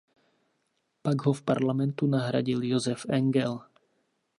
Pak ho v parlamentu nahradil Josef Engel.